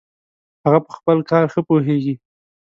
هغه په خپل کار ښه پوهیږي